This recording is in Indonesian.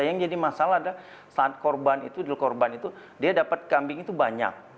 yang jadi masalah adalah saat korban itu dia dapat kambing itu banyak